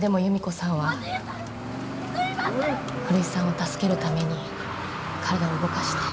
古井さんを助けるために体を動かして。